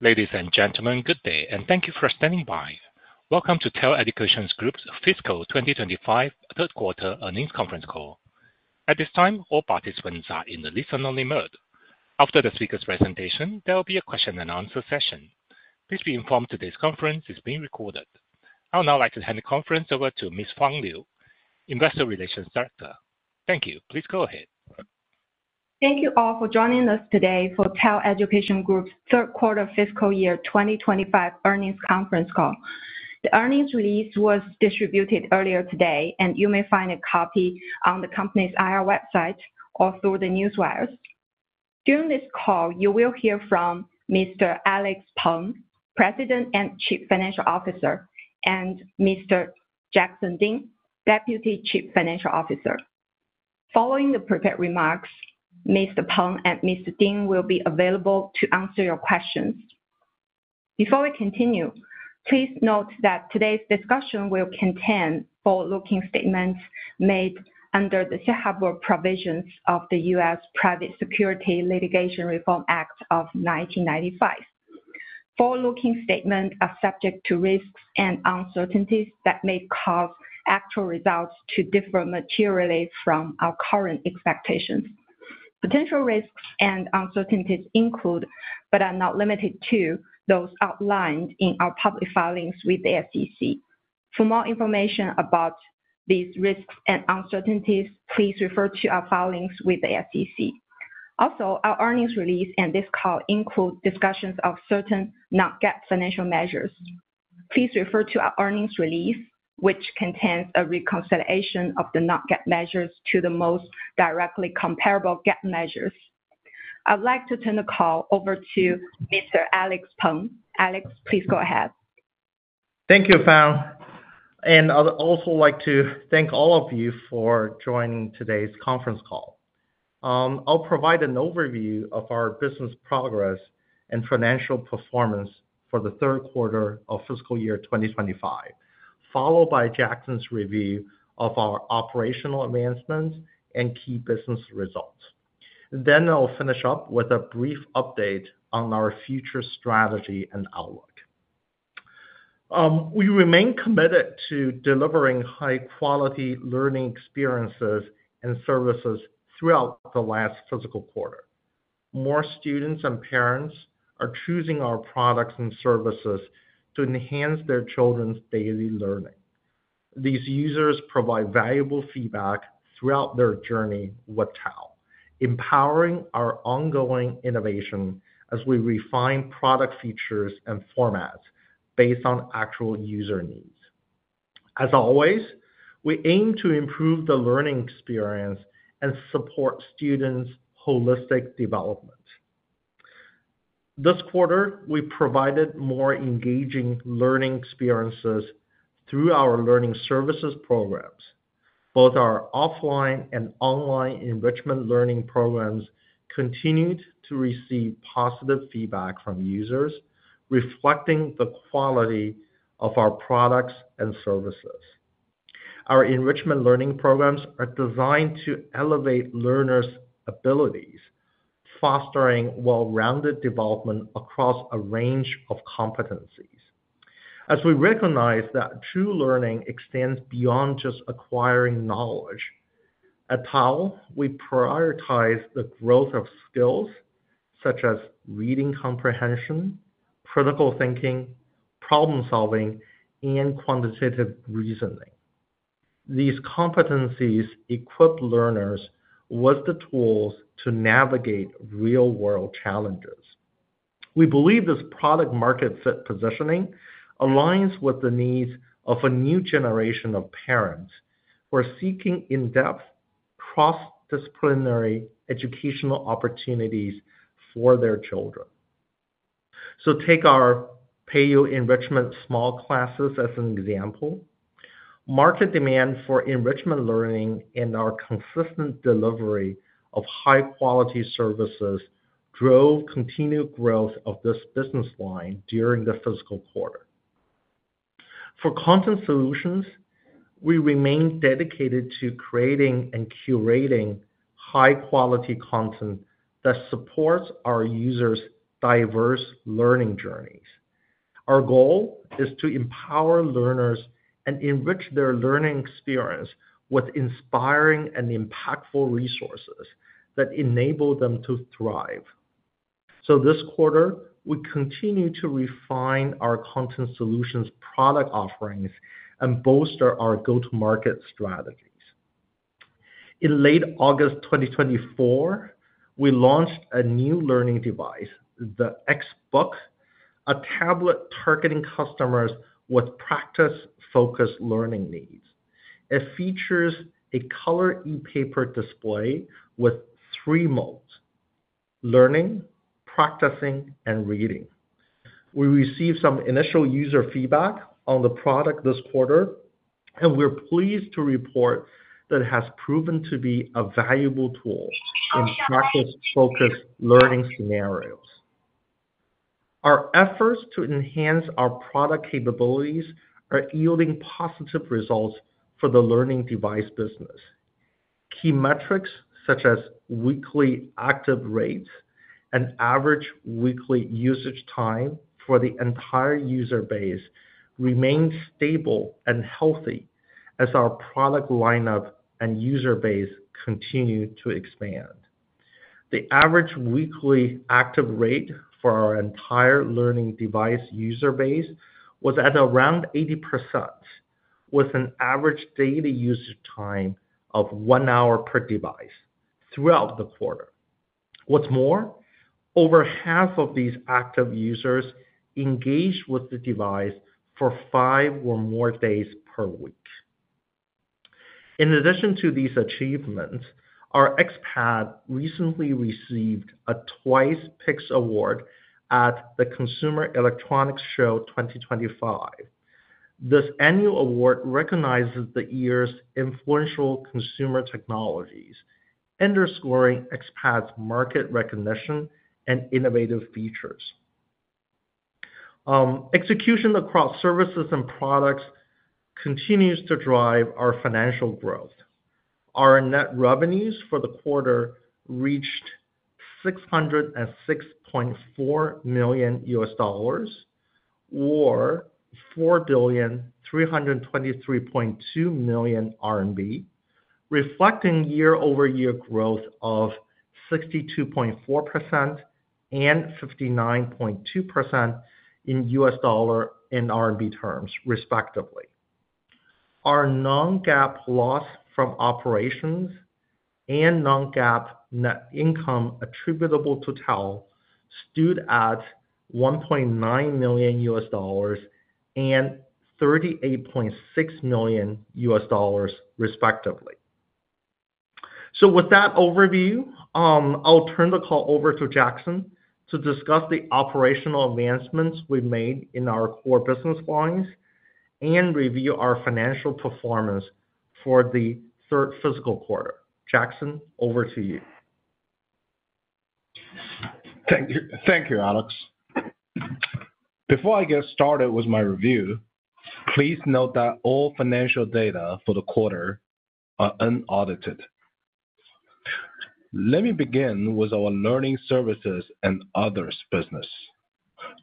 Ladies and gentlemen, good day, and thank you for standing by. Welcome to TAL Education Group's Fiscal 2025 Third Quarter Earnings Conference Call. At this time, all participants are in the listen-only mode. After the speaker's presentation, there will be a question-and-answer session. Please be informed today's conference is being recorded. I would now like to hand the conference over to Ms. Fang Liu, Investor Relations Director. Thank you. Please go ahead. Thank you all for joining us today for TAL Education Group's Third Quarter Fiscal Year 2025 Earnings Conference Call. The earnings release was distributed earlier today, and you may find a copy on the company's IR website or through the newswires. During this call, you will hear from Mr. Alex Peng, President and Chief Financial Officer, and Mr. Jackson Ding, Deputy Chief Financial Officer. Following the prepared remarks, Mr. Peng and Mr. Ding will be available to answer your questions. Before we continue, please note that today's discussion will contain forward-looking statements made under the safe harbor provisions of the U.S. Private Securities Litigation Reform Act of 1995. Forward-looking statements are subject to risks and uncertainties that may cause actual results to differ materially from our current expectations. Potential risks and uncertainties include, but are not limited to, those outlined in our public filings with the SEC. For more information about these risks and uncertainties, please refer to our filings with the SEC. Also, our earnings release and this call include discussions of certain non-GAAP financial measures. Please refer to our earnings release, which contains a reconciliation of the non-GAAP measures to the most directly comparable GAAP measures. I would like to turn the call over to Mr. Alex Peng. Alex, please go ahead. Thank you, Fang, and I'd also like to thank all of you for joining today's conference call. I'll provide an overview of our business progress and financial performance for the third quarter of fiscal year 2025, followed by Jackson's review of our operational advancements and key business results, then I'll finish up with a brief update on our future strategy and outlook. We remain committed to delivering high-quality learning experiences and services throughout the last fiscal quarter. More students and parents are choosing our products and services to enhance their children's daily learning. These users provide valuable feedback throughout their journey with TAL, empowering our ongoing innovation as we refine product features and formats based on actual user needs. As always, we aim to improve the learning experience and support students' holistic development. This quarter, we provided more engaging learning experiences through our learning services programs. Both our offline and online enrichment learning programs continued to receive positive feedback from users, reflecting the quality of our products and services. Our enrichment learning programs are designed to elevate learners' abilities, fostering well-rounded development across a range of competencies. As we recognize that true learning extends beyond just acquiring knowledge, at TAL, we prioritize the growth of skills such as reading comprehension, critical thinking, problem-solving, and quantitative reasoning. These competencies equip learners with the tools to navigate real-world challenges. We believe this product-market fit positioning aligns with the needs of a new generation of parents who are seeking in-depth, cross-disciplinary educational opportunities for their children. So take our Peiyou enrichment small classes as an example. Market demand for enrichment learning and our consistent delivery of high-quality services drove continued growth of this business line during the fiscal quarter. For content solutions, we remain dedicated to creating and curating high-quality content that supports our users' diverse learning journeys. Our goal is to empower learners and enrich their learning experience with inspiring and impactful resources that enable them to thrive. So this quarter, we continue to refine our content solutions product offerings and bolster our go-to-market strategies. In late August 2024, we launched a new learning device, the xBook, a tablet targeting customers with practice-focused learning needs. It features a color e-paper display with three modes: learning, practicing, and reading. We received some initial user feedback on the product this quarter, and we're pleased to report that it has proven to be a valuable tool in practice-focused learning scenarios. Our efforts to enhance our product capabilities are yielding positive results for the learning device business. Key metrics such as weekly active rates and average weekly usage time for the entire user base remain stable and healthy as our product lineup and user base continue to expand. The average weekly active rate for our entire learning device user base was at around 80%, with an average daily usage time of one hour per device throughout the quarter. What's more, over half of these active users engaged with the device for five or more days per week. In addition to these achievements, our xPad recently received a TWICE Picks Award at the Consumer Electronics Show 2025. This annual award recognizes the year's influential consumer technologies, underscoring xPad's market recognition and innovative features. Execution across services and products continues to drive our financial growth. Our net revenues for the quarter reached $606.4 million, or 4,323.2 million RMB, reflecting year-over-year growth of 62.4% and 59.2% in USD and RMB terms, respectively. Our non-GAAP loss from operations and non-GAAP net income attributable to TAL stood at $1.9 million and $38.6 million, respectively. So with that overview, I'll turn the call over to Jackson to discuss the operational advancements we've made in our core business lines and review our financial performance for the third fiscal quarter. Jackson, over to you. Thank you, Alex. Before I get started with my review, please note that all financial data for the quarter are unaudited. Let me begin with our learning services and others business,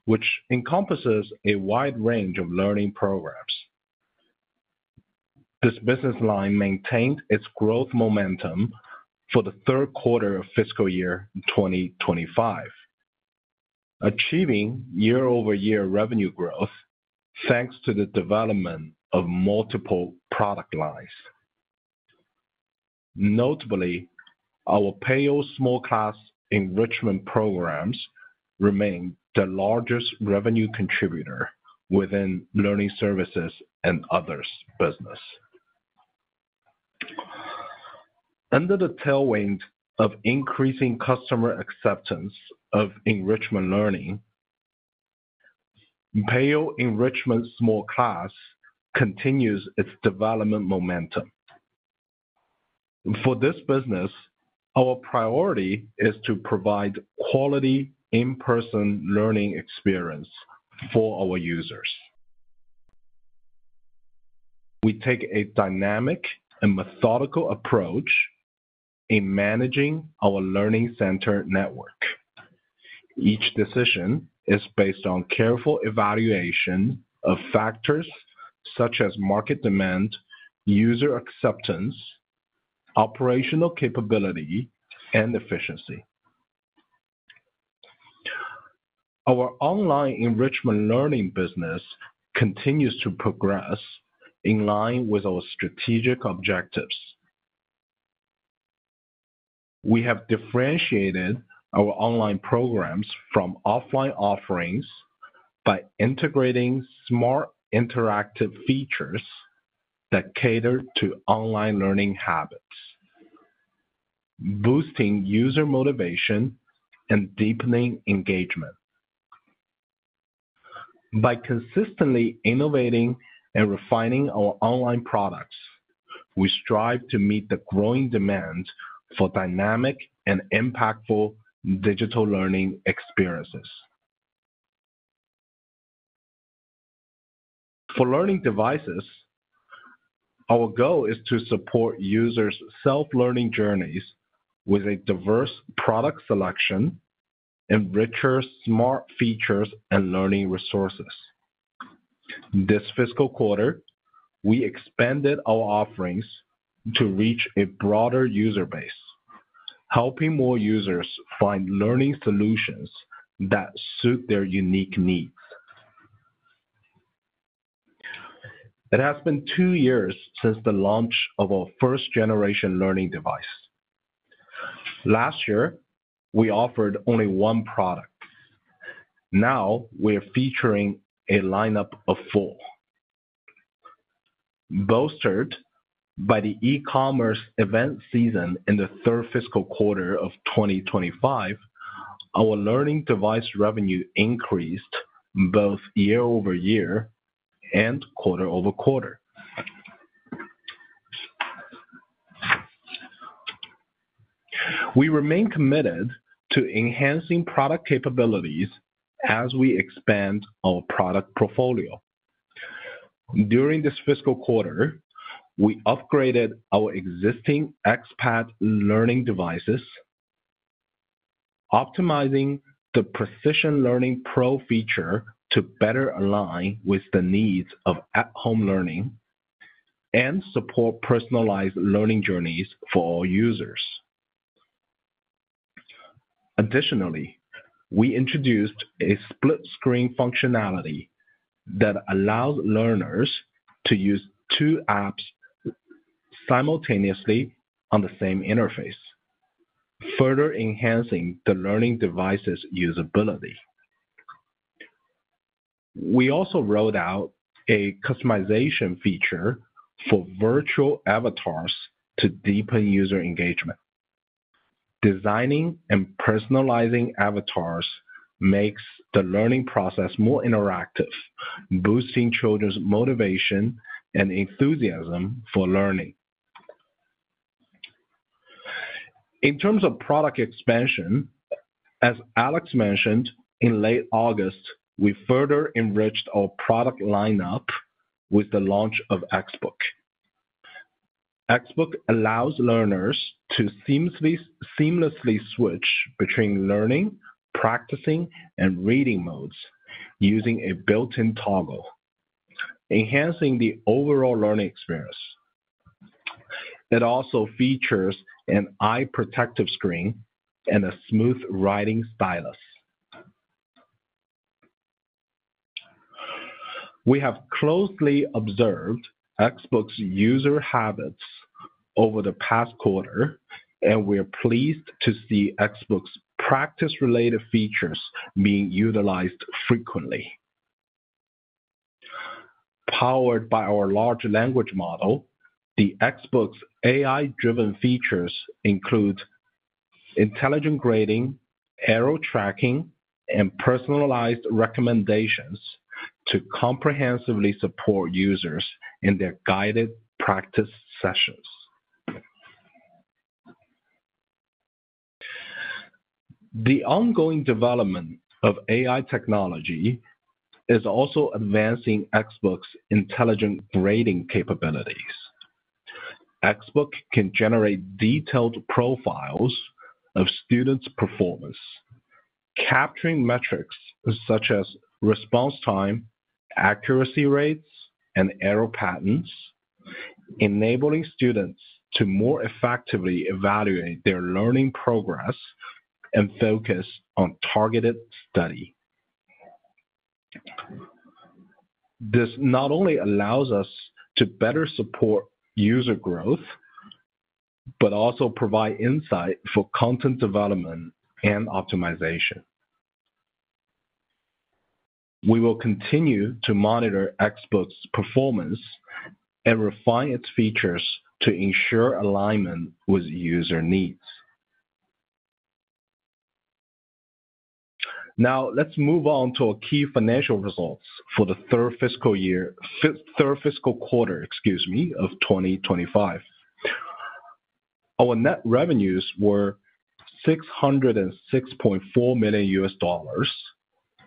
which encompasses a wide range of learning programs. This business line maintained its growth momentum for the third quarter of fiscal year 2025, achieving year-over-year revenue growth thanks to the development of multiple product lines. Notably, our Peiyou small class enrichment programs remain the largest revenue contributor within learning services and others business. Under the tailwind of increasing customer acceptance of enrichment learning, Peiyou enrichment small class continues its development momentum. For this business, our priority is to provide quality in-person learning experience for our users. We take a dynamic and methodical approach in managing our learning center network. Each decision is based on careful evaluation of factors such as market demand, user acceptance, operational capability, and efficiency. Our online enrichment learning business continues to progress in line with our strategic objectives. We have differentiated our online programs from offline offerings by integrating smart interactive features that cater to online learning habits, boosting user motivation and deepening engagement. By consistently innovating and refining our online products, we strive to meet the growing demands for dynamic and impactful digital learning experiences. For learning devices, our goal is to support users' self-learning journeys with a diverse product selection and richer smart features and learning resources. This fiscal quarter, we expanded our offerings to reach a broader user base, helping more users find learning solutions that suit their unique needs. It has been two years since the launch of our first-generation learning device. Last year, we offered only one product. Now, we are featuring a lineup of four. Bolstered by the e-commerce event season in the third fiscal quarter of 2025, our learning device revenue increased both year-over-year and quarter-over-quarter. We remain committed to enhancing product capabilities as we expand our product portfolio. During this fiscal quarter, we upgraded our existing xPad learning devices, optimizing the Precision Learning Pro feature to better align with the needs of at-home learning and support personalized learning journeys for all users. Additionally, we introduced a split-screen functionality that allows learners to use two apps simultaneously on the same interface, further enhancing the learning device's usability. We also rolled out a customization feature for virtual avatars to deepen user engagement. Designing and personalizing avatars makes the learning process more interactive, boosting children's motivation and enthusiasm for learning. In terms of product expansion, as Alex mentioned, in late August, we further enriched our product lineup with the launch of xBook. XBook allows learners to seamlessly switch between learning, practicing, and reading modes using a built-in toggle, enhancing the overall learning experience. It also features an eye-protective screen and a smooth writing stylus. We have closely observed xBook's user habits over the past quarter, and we are pleased to see xBook's practice-related features being utilized frequently. Powered by our large language model, the xBook's AI-driven features include intelligent grading, arrow tracking, and personalized recommendations to comprehensively support users in their guided practice sessions. The ongoing development of AI technology is also advancing XBook's intelligent grading capabilities. Book can generate detailed profiles of students' performance, capturing metrics such as response time, accuracy rates, and error patterns, enabling students to more effectively evaluate their learning progress and focus on targeted study. This not only allows us to better support user growth, but also provides insight for content development and optimization. We will continue to monitor xBook's performance and refine its features to ensure alignment with user needs. Now, let's move on to our key financial results for the third fiscal quarter, excuse me, of 2025. Our net revenues were $606.4 million,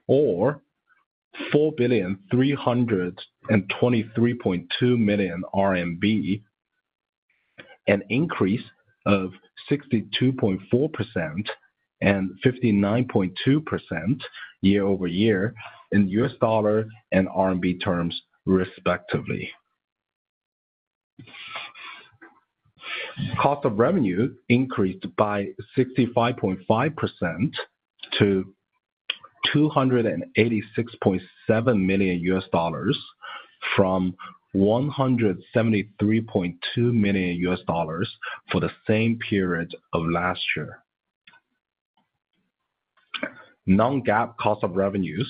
or 4,323.2 million RMB, an increase of 62.4% and 59.2% year-over-year in USD and RMB terms, respectively. Cost of revenue increased by 65.5% to $286.7 million from $173.2 million for the same period of last year. Non-GAAP cost of revenues,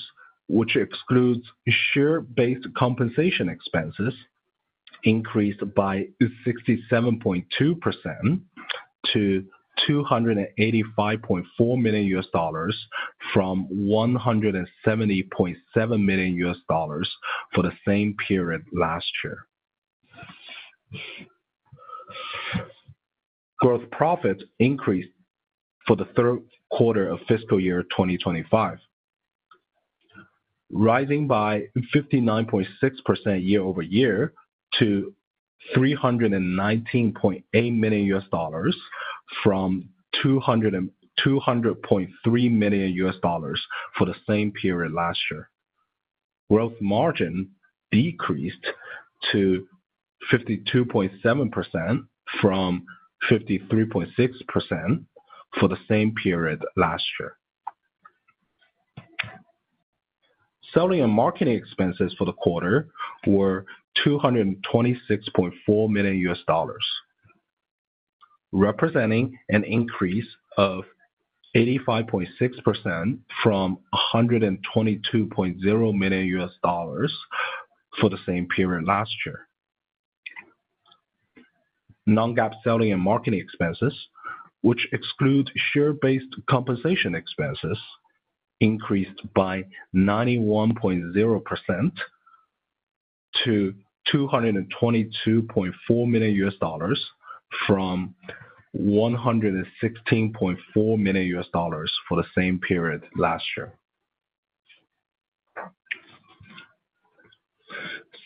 which excludes share-based compensation expenses, increased by 67.2% to $285.4 million from $170.7 million for the same period last year. Gross profits increased for the third quarter of fiscal year 2025, rising by 59.6% year-over-year to $319.8 million from $200.3 million for the same period last year. Gross margin decreased to 52.7% from 53.6% for the same period last year. Selling and marketing expenses for the quarter were $226.4 million, representing an increase of 85.6% from $122.0 million for the same period last year. Non-GAAP selling and marketing expenses, which exclude share-based compensation expenses, increased by 91.0% to $222.4 million from $116.4 million for the same period last year.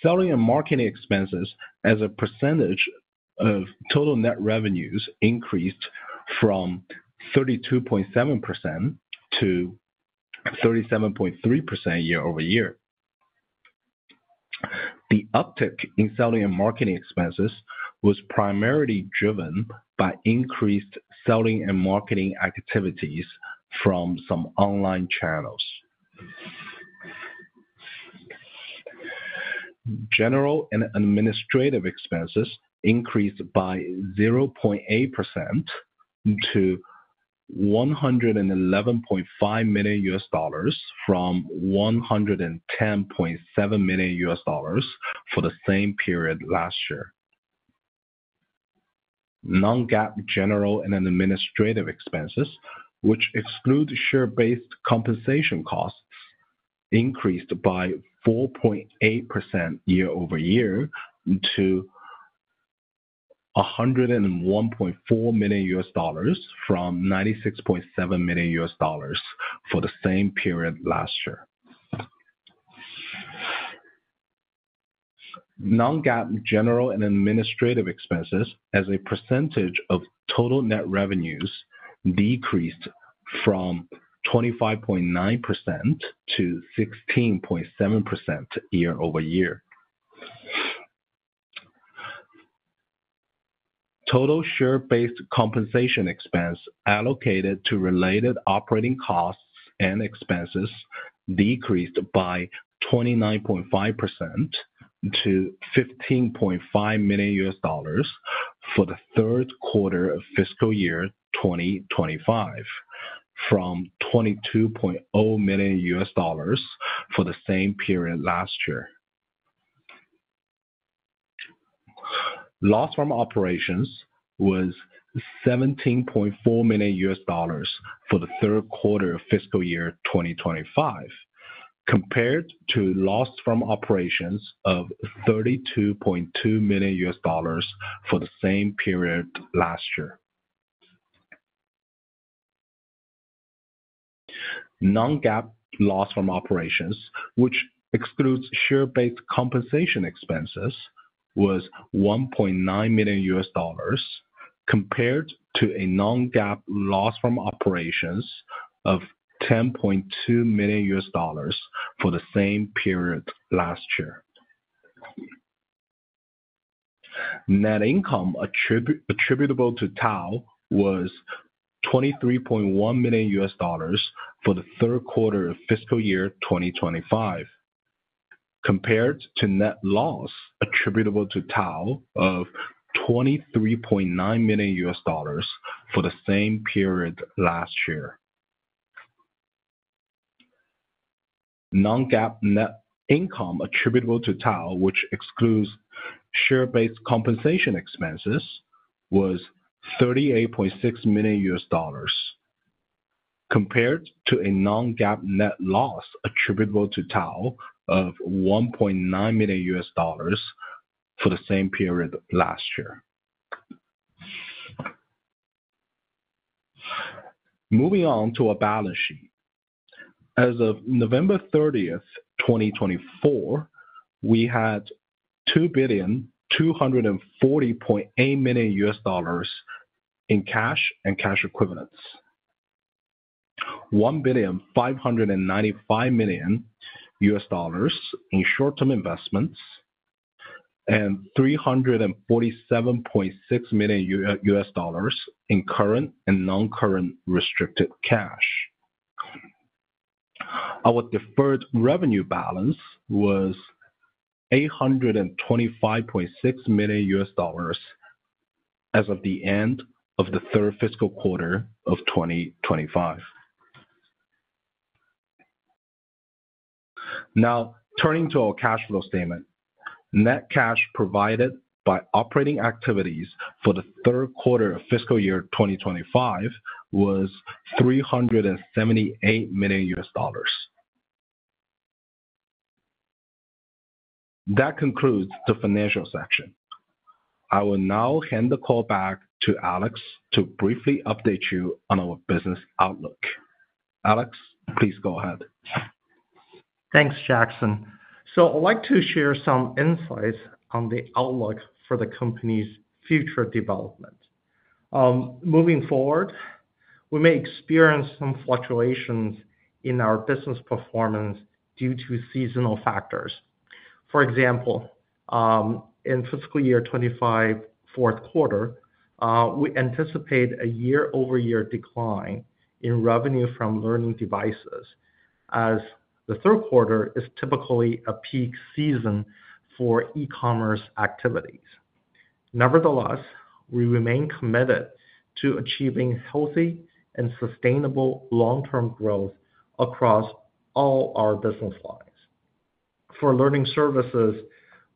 Selling and marketing expenses, as a percentage of total net revenues, increased from 32.7% to 37.3% year-over-year. The uptick in selling and marketing expenses was primarily driven by increased selling and marketing activities from some online channels. General and administrative expenses increased by 0.8% to $111.5 million from $110.7 million for the same period last year. Non-GAAP general and administrative expenses, which exclude share-based compensation costs, increased by 4.8% year-over-year to $101.4 million from $96.7 million for the same period last year. Non-GAAP general and administrative expenses, as a percentage of total net revenues, decreased from 25.9% to 16.7% year-over-year. Total share-based compensation expense allocated to related operating costs and expenses decreased by 29.5% to $15.5 million for the third quarter of fiscal year 2025, from $22.0 million for the same period last year. Loss from operations was $17.4 million for the third quarter of fiscal year 2025, compared to loss from operations of $32.2 million for the same period last year. Non-GAAP loss from operations, which excludes share-based compensation expenses, was $1.9 million, compared to a non-GAAP loss from operations of $10.2 million for the same period last year. Net income attributable to TAL was $23.1 million for the third quarter of fiscal year 2025, compared to net loss attributable to TAL of $23.9 million for the same period last year. Non-GAAP net income attributable to TAL, which excludes share-based compensation expenses, was $38.6 million, compared to a non-GAAP net loss attributable to TAL of $1.9 million for the same period last year. Moving on to our balance sheet. As of November 30, 2024, we had $2,240.8 million in cash and cash equivalents, $1,595 million in short-term investments, and $347.6 million in current and non-current restricted cash. Our deferred revenue balance was $825.6 million as of the end of the third fiscal quarter of 2025. Now, turning to our cash flow statement, net cash provided by operating activities for the third quarter of fiscal year 2025 was $378 million. That concludes the financial section. I will now hand the call back to Alex to briefly update you on our business outlook. Alex, please go ahead. Thanks, Jackson. So I'd like to share some insights on the outlook for the company's future development. Moving forward, we may experience some fluctuations in our business performance due to seasonal factors. For example, in fiscal year 2025, fourth quarter, we anticipate a year-over-year decline in revenue from learning devices, as the third quarter is typically a peak season for e-commerce activities. Nevertheless, we remain committed to achieving healthy and sustainable long-term growth across all our business lines. For learning services,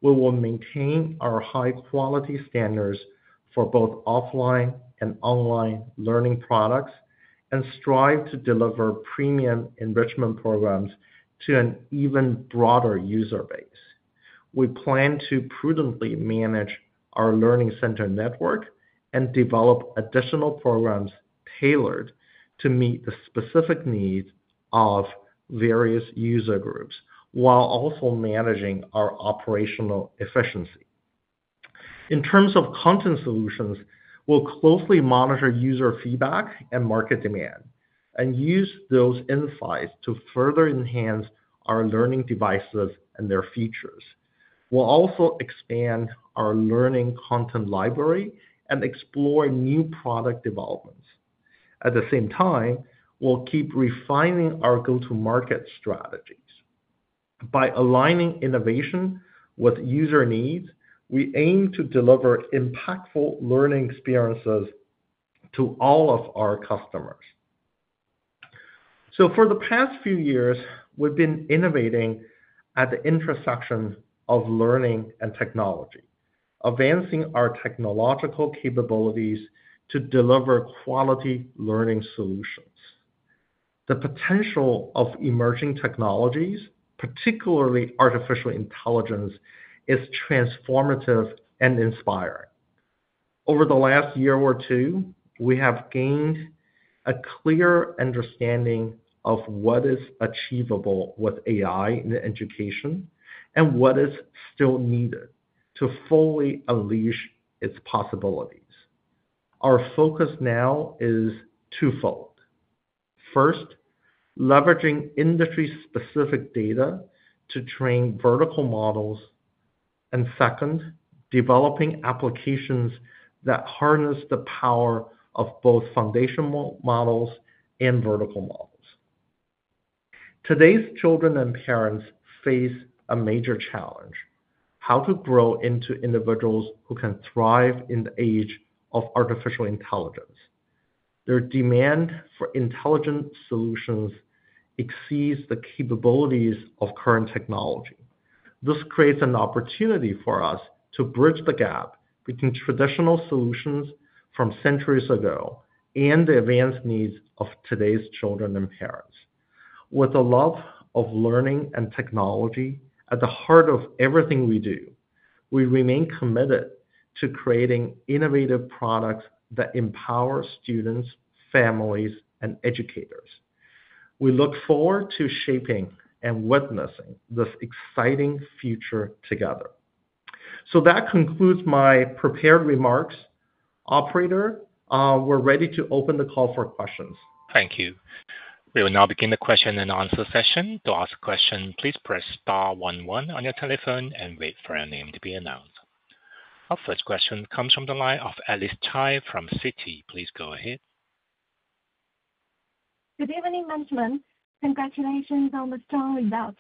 we will maintain our high-quality standards for both offline and online learning products and strive to deliver premium enrichment programs to an even broader user base. We plan to prudently manage our learning center network and develop additional programs tailored to meet the specific needs of various user groups while also managing our operational efficiency. In terms of content solutions, we'll closely monitor user feedback and market demand and use those insights to further enhance our learning devices and their features. We'll also expand our learning content library and explore new product developments. At the same time, we'll keep refining our go-to-market strategies. By aligning innovation with user needs, we aim to deliver impactful learning experiences to all of our customers. So for the past few years, we've been innovating at the intersection of learning and technology, advancing our technological capabilities to deliver quality learning solutions. The potential of emerging technologies, particularly artificial intelligence, is transformative and inspiring. Over the last year or two, we have gained a clear understanding of what is achievable with AI in education and what is still needed to fully unleash its possibilities. Our focus now is twofold. First, leveraging industry-specific data to train vertical models, and second, developing applications that harness the power of both foundational models and vertical models. Today's children and parents face a major challenge: how to grow into individuals who can thrive in the age of artificial intelligence. Their demand for intelligent solutions exceeds the capabilities of current technology. This creates an opportunity for us to bridge the gap between traditional solutions from centuries ago and the advanced needs of today's children and parents. With a love of learning and technology at the heart of everything we do, we remain committed to creating innovative products that empower students, families, and educators. We look forward to shaping and witnessing this exciting future together. So that concludes my prepared remarks. Operator, we're ready to open the call for questions. Thank you. We will now begin the question and answer session. To ask a question, please press star 11 on your telephone and wait for your name to be announced. Our first question comes from the line of Alice Cai from Citi. Please go ahead. Good evening, management. Congratulations on the strong results.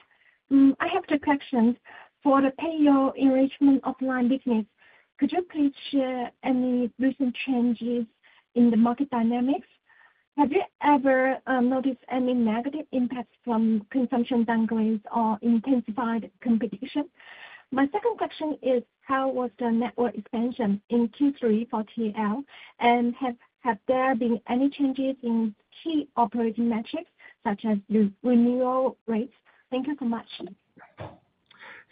I have two questions. For the Peiyou Enrichment Offline Business, could you please share any recent changes in the market dynamics? Have you ever noticed any negative impacts from consumption downgrades or intensified competition? My second question is, how was the network expansion in Q3 for TAL? And have there been any changes in key operating metrics, such as renewal rates? Thank you so much.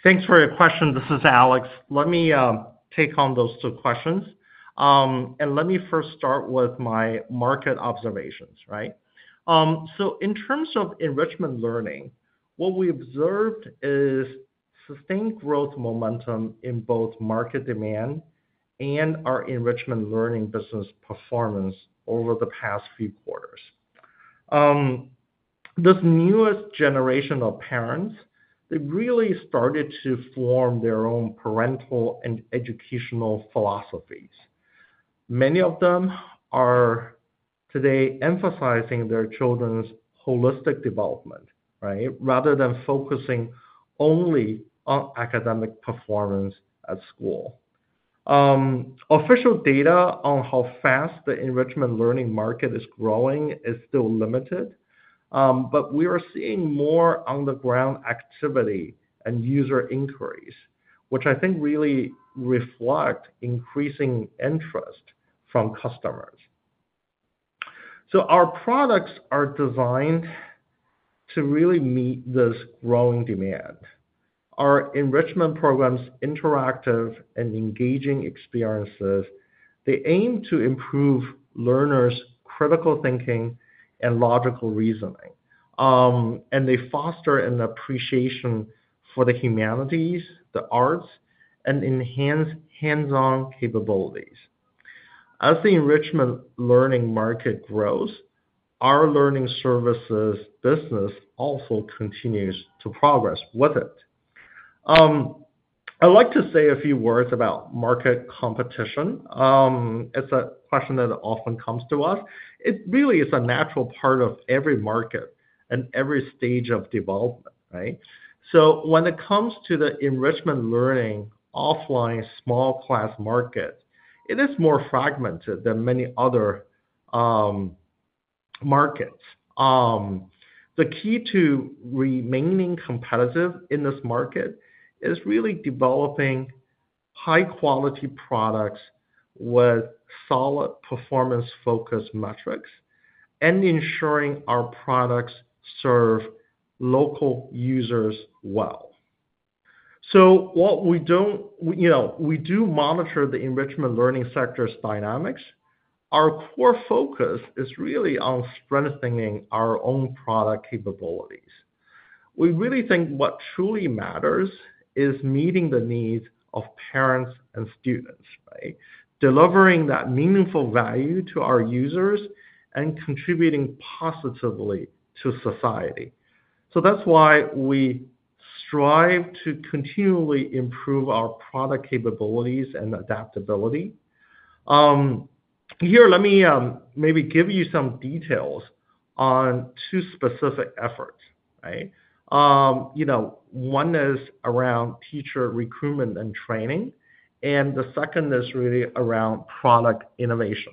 Thanks for your question. This is Alex. Let me take on those two questions. And let me first start with my market observations, right? So in terms of enrichment learning, what we observed is sustained growth momentum in both market demand and our enrichment learning business performance over the past few quarters. This newest generation of parents, they really started to form their own parental and educational philosophies. Many of them are today emphasizing their children's holistic development, right, rather than focusing only on academic performance at school. Official data on how fast the enrichment learning market is growing is still limited, but we are seeing more on-the-ground activity and user inquiries, which I think really reflect increasing interest from customers. So our products are designed to really meet this growing demand. Our enrichment programs are interactive and engaging experiences. They aim to improve learners' critical thinking and logical reasoning. And they foster an appreciation for the humanities, the arts, and enhance hands-on capabilities. As the enrichment learning market grows, our learning services business also continues to progress with it. I'd like to say a few words about market competition. It's a question that often comes to us. It really is a natural part of every market and every stage of development, right? So when it comes to the enrichment learning offline small class market, it is more fragmented than many other markets. The key to remaining competitive in this market is really developing high-quality products with solid performance-focused metrics and ensuring our products serve local users well. So what we don't, you know, we do monitor the enrichment learning sector's dynamics. Our core focus is really on strengthening our own product capabilities. We really think what truly matters is meeting the needs of parents and students, right? Delivering that meaningful value to our users and contributing positively to society. So that's why we strive to continually improve our product capabilities and adaptability. Here, let me maybe give you some details on two specific efforts, right? You know, one is around teacher recruitment and training, and the second is really around product innovation.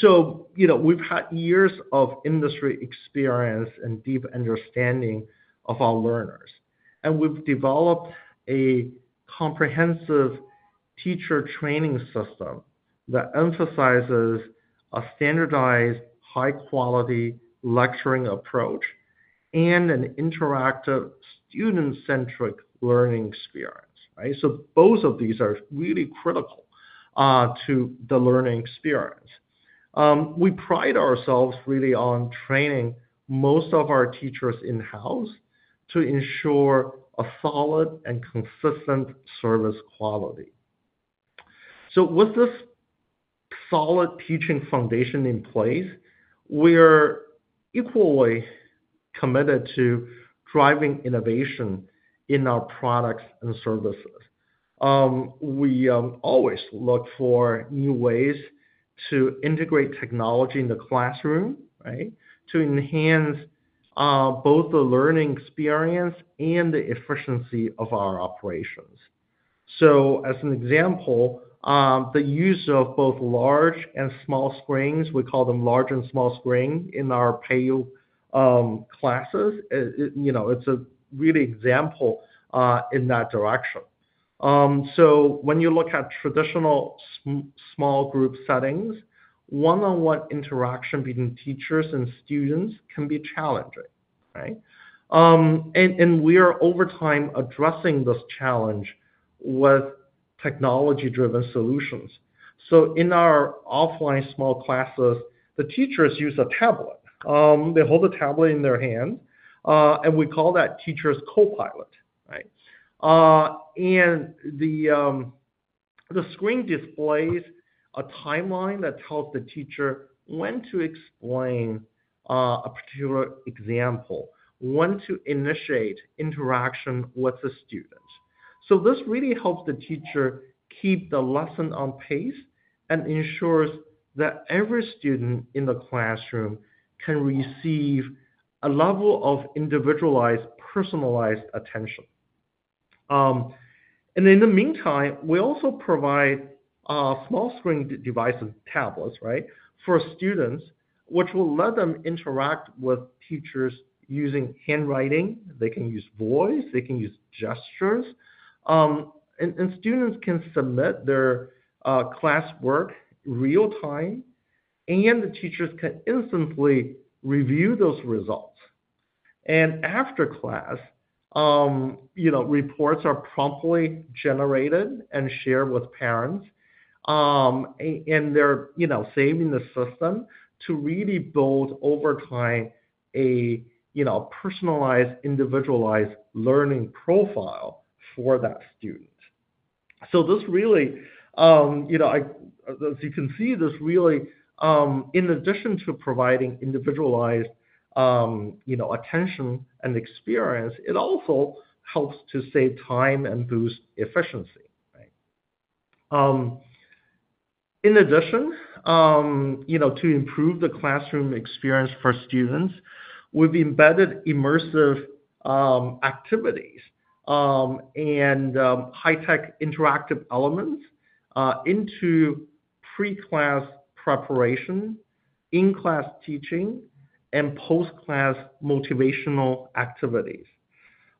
So, you know, we've had years of industry experience and deep understanding of our learners. And we've developed a comprehensive teacher training system that emphasizes a standardized high-quality lecturing approach and an interactive student-centric learning experience, right? So both of these are really critical to the learning experience. We pride ourselves really on training most of our teachers in-house to ensure a solid and consistent service quality. So with this solid teaching foundation in place, we're equally committed to driving innovation in our products and services. We always look for new ways to integrate technology in the classroom, right, to enhance both the learning experience and the efficiency of our operations. So as an example, the use of both large and small screens, we call them large and small screens in our Peiyou classes, you know, it's a real example in that direction. So when you look at traditional small group settings, one-on-one interaction between teachers and students can be challenging, right? And we are over time addressing this challenge with technology-driven solutions. So in our offline small classes, the teachers use a tablet. They hold a tablet in their hand, and we call that Teacher's Copilot, right? And the screen displays a timeline that tells the teacher when to explain a particular example, when to initiate interaction with the student. So this really helps the teacher keep the lesson on pace and ensures that every student in the classroom can receive a level of individualized, personalized attention. And in the meantime, we also provide small screen devices, tablets, right, for students, which will let them interact with teachers using handwriting. They can use voice. They can use gestures. And students can submit their classwork real time, and the teachers can instantly review those results. And after class, you know, reports are promptly generated and shared with parents. And they're, you know, saving the system to really build over time a, you know, personalized, individualized learning profile for that student. So this really, you know, as you can see, this really, in addition to providing individualized, you know, attention and experience, it also helps to save time and boost efficiency, right? In addition, you know, to improve the classroom experience for students, we've embedded immersive activities and high-tech interactive elements into pre-class preparation, in-class teaching, and post-class motivational activities.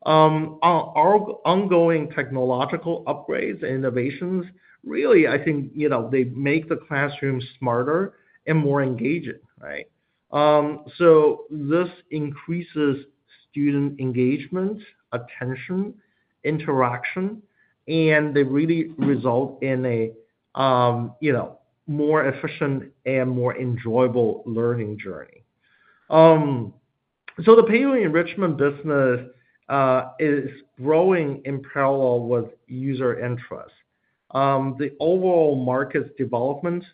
Our ongoing technological upgrades and innovations really, I think, you know, they make the classroom smarter and more engaging, right? So this increases student engagement, attention, interaction, and they really result in a, you know, more efficient and more enjoyable learning journey. So the Peiyou Enrichment Business is growing in parallel with user interest. The overall market's development,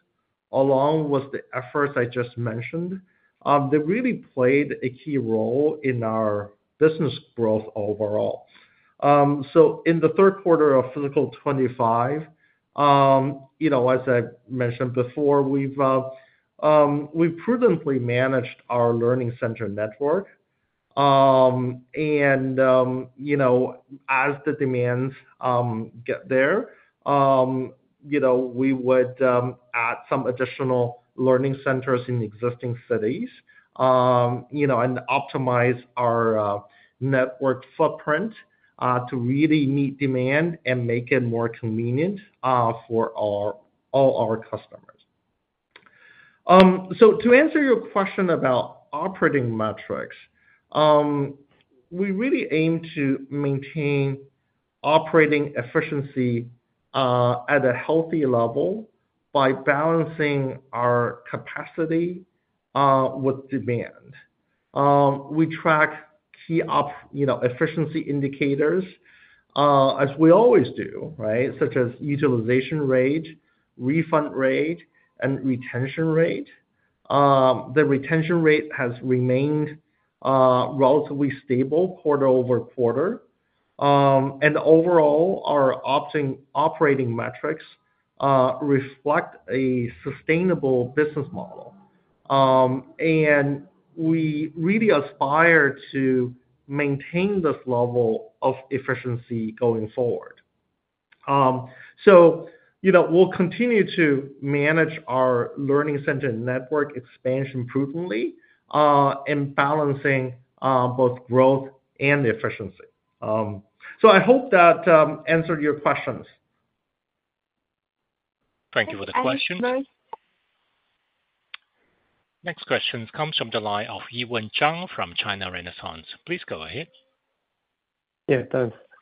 along with the efforts I just mentioned, they really played a key role in our business growth overall. So in the third quarter of fiscal 2025, you know, as I mentioned before, we've prudently managed our learning center network. And, you know, as the demands get there, you know, we would add some additional learning centers in existing cities, you know, and optimize our network footprint to really meet demand and make it more convenient for all our customers. So to answer your question about operating metrics, we really aim to maintain operating efficiency at a healthy level by balancing our capacity with demand. We track key, you know, efficiency indicators, as we always do, right, such as utilization rate, refund rate, and retention rate. The retention rate has remained relatively stable quarter over quarter. And overall, our operating metrics reflect a sustainable business model. And we really aspire to maintain this level of efficiency going forward. So, you know, we'll continue to manage our learning center network expansion prudently and balancing both growth and efficiency. So I hope that answered your questions. Thank you for the question. Next questions come from the line of Yiwen Zhang from China Renaissance. Please go ahead. Yeah,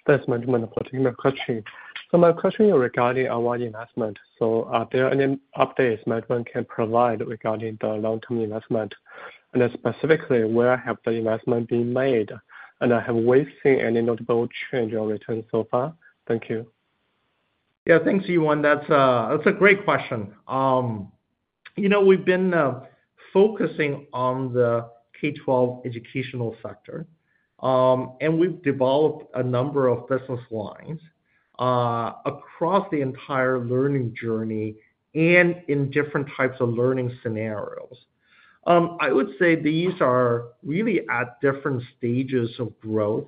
thanks, management. Appreciate my question. So my question is regarding our investment. So are there any updates management can provide regarding the long-term investment? And then specifically, where have the investment been made? And have we seen any notable change or return so far? Thank you. Yeah, thanks, Yiwen. That's a great question. You know, we've been focusing on the K-12 educational sector, and we've developed a number of business lines across the entire learning journey and in different types of learning scenarios. I would say these are really at different stages of growth,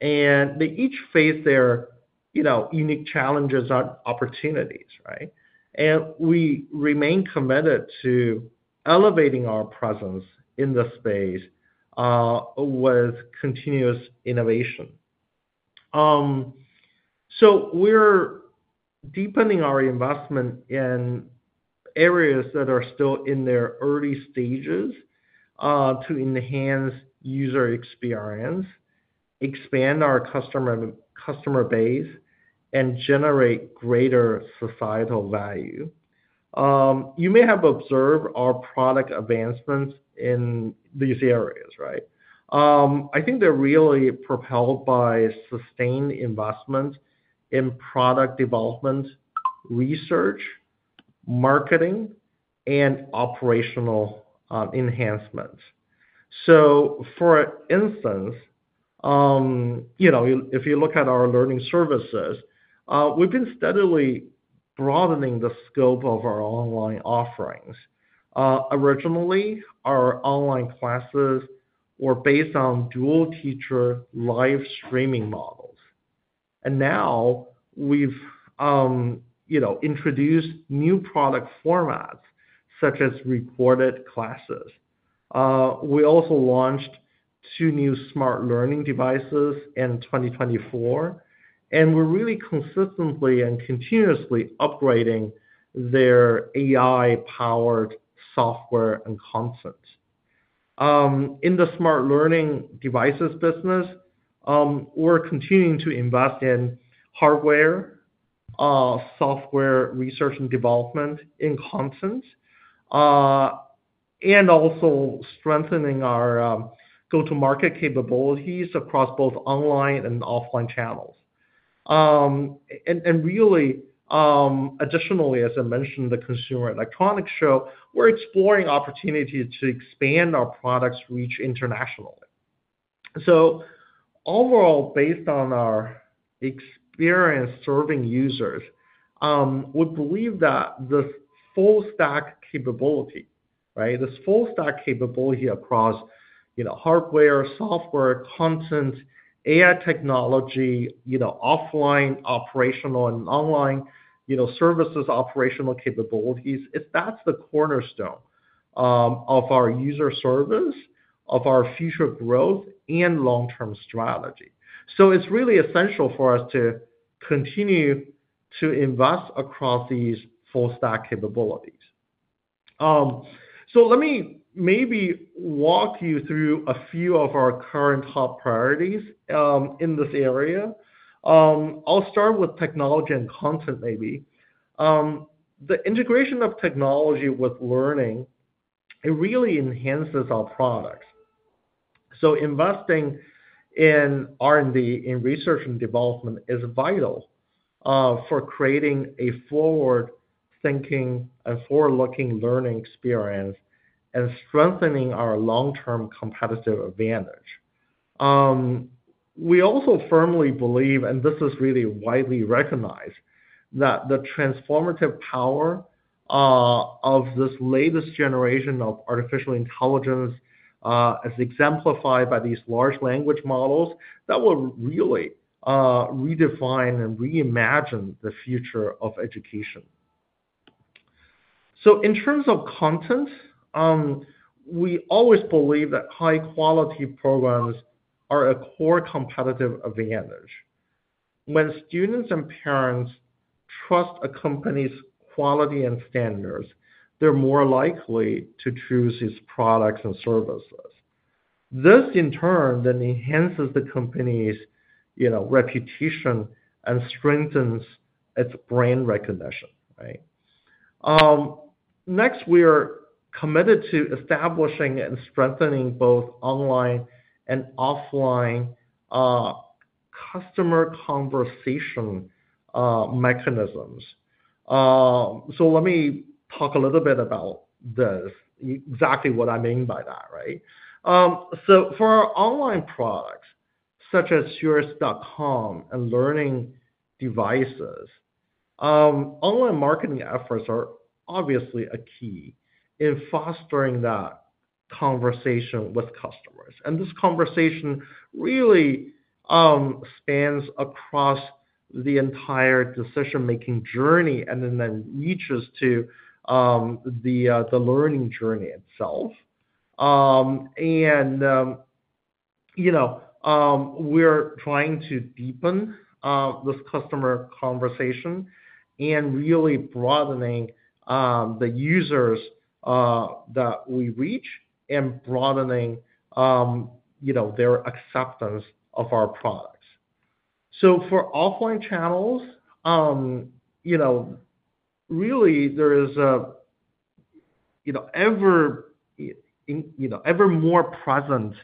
and they each face their, you know, unique challenges and opportunities, right? And we remain committed to elevating our presence in the space with continuous innovation. So we're deepening our investment in areas that are still in their early stages to enhance user experience, expand our customer base, and generate greater societal value. You may have observed our product advancements in these areas, right? I think they're really propelled by sustained investment in product development, research, marketing, and operational enhancements. So for instance, you know, if you look at our learning services, we've been steadily broadening the scope of our online offerings. Originally, our online classes were based on dual teacher live streaming models. And now we've, you know, introduced new product formats such as recorded classes. We also launched two new smart learning devices in 2024, and we're really consistently and continuously upgrading their AI-powered software and content. In the smart learning devices business, we're continuing to invest in hardware, software research and development in content, and also strengthening our go-to-market capabilities across both online and offline channels, and really, additionally, as I mentioned in the Consumer Electronics Show, we're exploring opportunities to expand our product's reach internationally, so overall, based on our experience serving users, we believe that this full-stack capability, right? This full-stack capability across, you know, hardware, software, content, AI technology, you know, offline operational and online, you know, services operational capabilities, that's the cornerstone of our user service, of our future growth, and long-term strategy, so it's really essential for us to continue to invest across these full-stack capabilities, so let me maybe walk you through a few of our current top priorities in this area. I'll start with technology and content maybe. The integration of technology with learning really enhances our products. Investing in R&D, in research and development, is vital for creating a forward-thinking and forward-looking learning experience and strengthening our long-term competitive advantage. We also firmly believe, and this is really widely recognized, that the transformative power of this latest generation of artificial intelligence, as exemplified by these large language models, that will really redefine and reimagine the future of education. In terms of content, we always believe that high-quality programs are a core competitive advantage. When students and parents trust a company's quality and standards, they're more likely to choose its products and services. This, in turn, then enhances the company's, you know, reputation and strengthens its brand recognition, right? Next, we are committed to establishing and strengthening both online and offline customer conversation mechanisms. Let me talk a little bit about this, exactly what I mean by that, right? For our online products, such as Xueersi.com and learning devices, online marketing efforts are obviously a key in fostering that conversation with customers. This conversation really spans across the entire decision-making journey and then reaches to the learning journey itself. You know, we're trying to deepen this customer conversation and really broadening the users that we reach and broadening, you know, their acceptance of our products. For offline channels, you know, really there is, you know, ever more present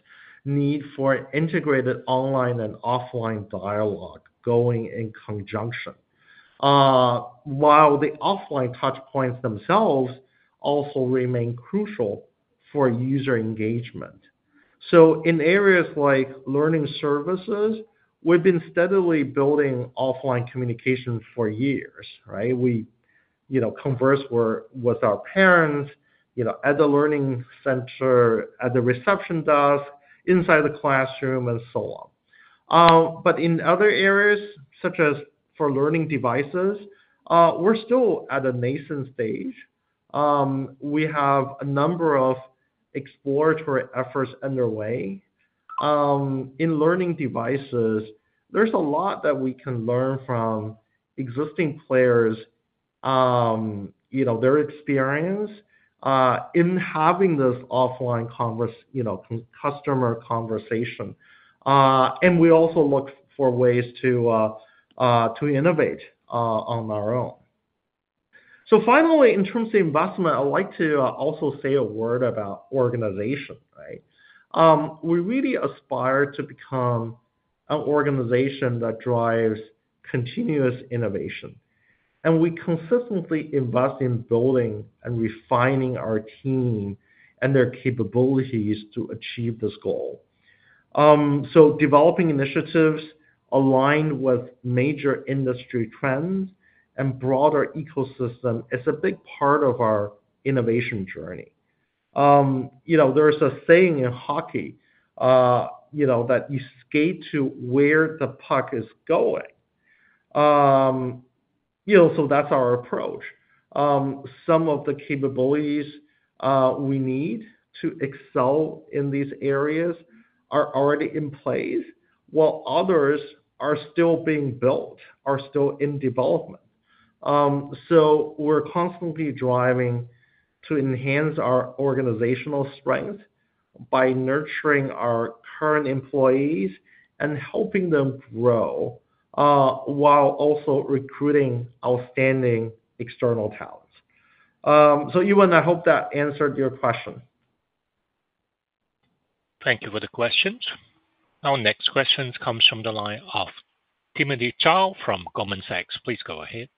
need for integrated online and offline dialogue going in conjunction, while the offline touchpoints themselves also remain crucial for user engagement. In areas like learning services, we've been steadily building offline communication for years, right? We, you know, converse with our parents, you know, at the learning center, at the reception desk, inside the classroom, and so on. But in other areas, such as for learning devices, we're still at a nascent stage. We have a number of exploratory efforts underway. In learning devices, there's a lot that we can learn from existing players, you know, their experience in having this offline conversation, you know, customer conversation. And we also look for ways to innovate on our own. So finally, in terms of investment, I'd like to also say a word about organization, right? We really aspire to become an organization that drives continuous innovation. And we consistently invest in building and refining our team and their capabilities to achieve this goal. So developing initiatives aligned with major industry trends and broader ecosystem is a big part of our innovation journey. You know, there's a saying in hockey, you know, that you skate to where the puck is going. You know, so that's our approach. Some of the capabilities we need to excel in these areas are already in place, while others are still being built, are still in development. So we're constantly driving to enhance our organizational strength by nurturing our current employees and helping them grow while also recruiting outstanding external talents. So Yiwen, I hope that answered your question. Thank you for the questions. Our next question comes from the line of Timothy Zhao from Goldman Sachs. Please go ahead.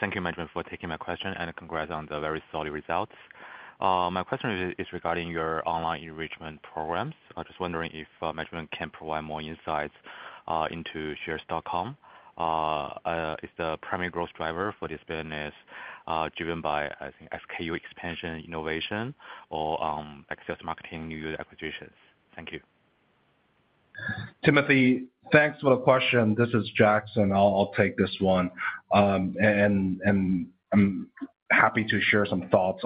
Thank you, management, for taking my question and congrats on the very solid results. My question is regarding your online enrichment programs. I'm just wondering if management can provide more insights into Xueersi.com. Is the primary growth driver for this business driven by, I think, SKU expansion innovation or excess marketing new acquisitions? Thank you. Timothy, thanks for the question. This is Jackson. I'll take this one. I'm happy to share some thoughts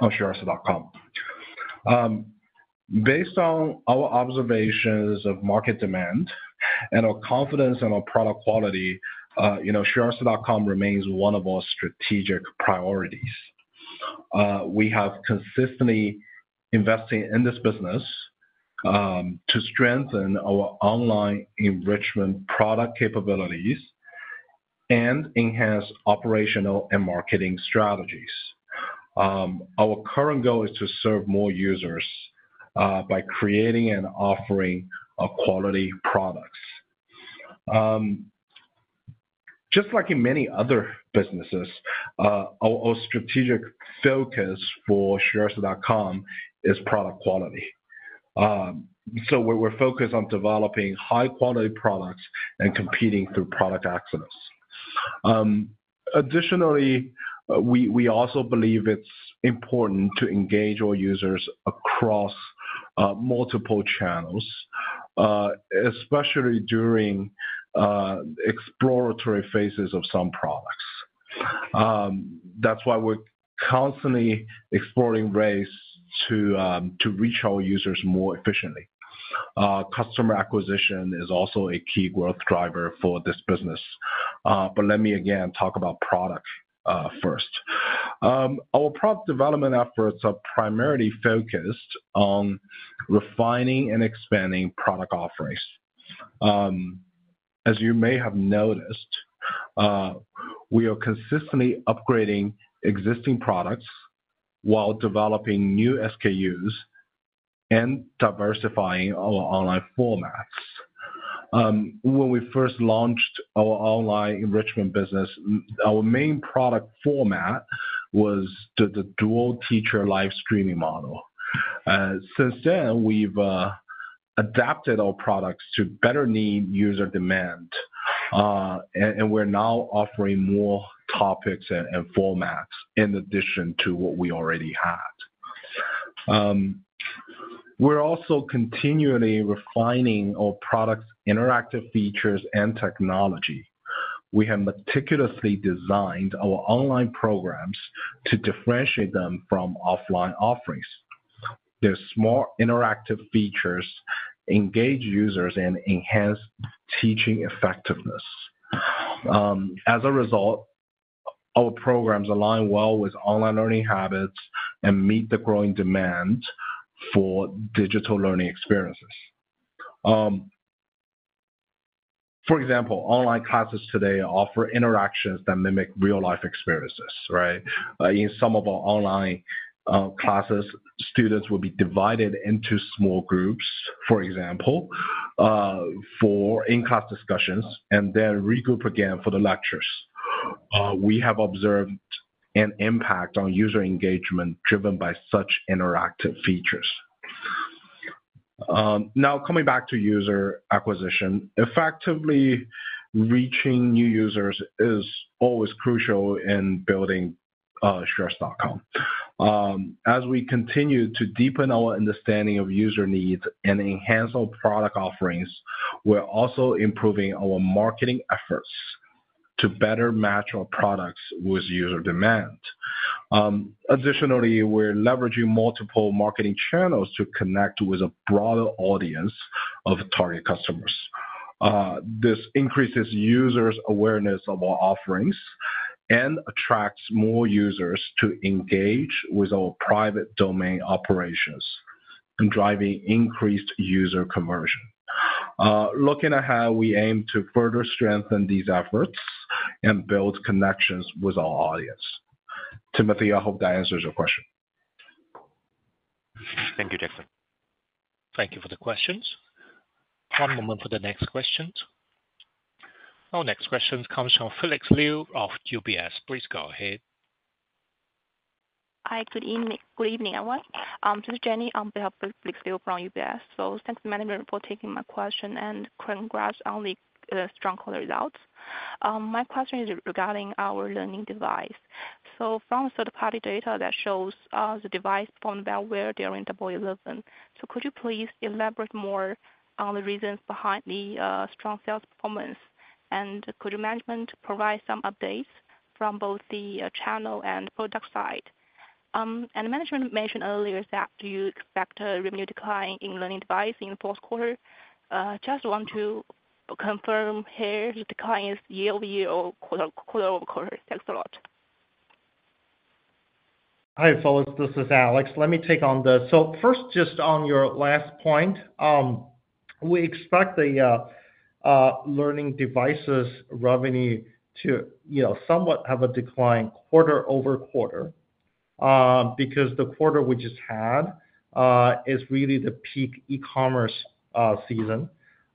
on Xueersi.com. Based on our observations of market demand and our confidence in our product quality, you know, Xueersi.com remains one of our strategic priorities. We have consistently invested in this business to strengthen our online enrichment product capabilities and enhance operational and marketing strategies. Our current goal is to serve more users by creating and offering quality products. Just like in many other businesses, our strategic focus for Xueersi.com is product quality. So we're focused on developing high-quality products and competing through product excellence. Additionally, we also believe it's important to engage our users across multiple channels, especially during exploratory phases of some products. That's why we're constantly exploring ways to reach our users more efficiently. Customer acquisition is also a key growth driver for this business. Let me again talk about product first. Our product development efforts are primarily focused on refining and expanding product offerings. As you may have noticed, we are consistently upgrading existing products while developing new SKUs and diversifying our online formats. When we first launched our online enrichment business, our main product format was the dual teacher live streaming model. Since then, we've adapted our products to better meet user demand, and we're now offering more topics and formats in addition to what we already had. We're also continually refining our product's interactive features and technology. We have meticulously designed our online programs to differentiate them from offline offerings. Their small interactive features engage users and enhance teaching effectiveness. As a result, our programs align well with online learning habits and meet the growing demand for digital learning experiences. For example, online classes today offer interactions that mimic real-life experiences, right? In some of our online classes, students will be divided into small groups, for example, for in-class discussions, and then regroup again for the lectures. We have observed an impact on user engagement driven by such interactive features. Now, coming back to user acquisition, effectively reaching new users is always crucial in building Xueersi.com. As we continue to deepen our understanding of user needs and enhance our product offerings, we're also improving our marketing efforts to better match our products with user demand. Additionally, we're leveraging multiple marketing channels to connect with a broader audience of target customers. This increases users' awareness of our offerings and attracts more users to engage with our private domain operations and driving increased user conversion. Looking ahead, we aim to further strengthen these efforts and build connections with our audience. Timothy, I hope that answers your question. Thank you, Jackson. Thank you for the questions. One moment for the next questions. Our next question comes from Felix Liu of UBS. Please go ahead. Hi, good evening. Good evening, everyone. This is Jenny on behalf of Felix Liu from UBS. So thanks, Jackson, for taking my question and congrats on the strong quarter results. My question is regarding our learning device. So from the third-party data that shows the device performed well during Double 11. So could you please elaborate more on the reasons behind the strong sales performance? And could Jackson provide some updates from both the channel and product side? And Jackson mentioned earlier that you expect a revenue decline in learning device in the fourth quarter. Just want to confirm here that the decline is year-over-year or quarter-over-quarter? Thanks a lot. Hi, Felix. This is Alex. Let me take on this. So first, just on your last point, we expect the learning devices revenue to, you know, somewhat have a decline quarter-over-quarter because the quarter we just had is really the peak e-commerce season.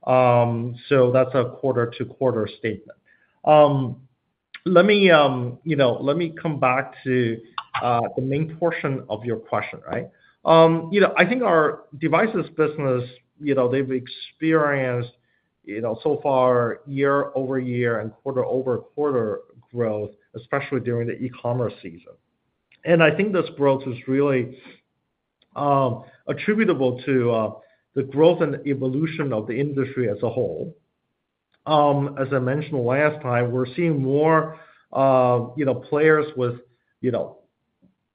So that's a quarter-to-quarter statement. Let me, you know, let me come back to the main portion of your question, right? You know, I think our devices business, you know, they've experienced, you know, so far year-over-year and quarter-over-quarter growth, especially during the e-commerce season. And I think this growth is really attributable to the growth and evolution of the industry as a whole. As I mentioned last time, we're seeing more, you know, players with, you know,